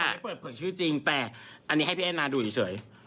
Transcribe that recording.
ไม่เปิดเผยชื่อจริงแต่อันนี้ให้พี่แอนนาดูเฉย